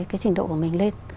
cái trình độ của mình lên